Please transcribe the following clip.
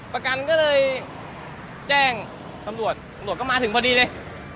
ประกันก็เลยแจ้งตำรวจตำรวจก็มาถึงพอดีเลย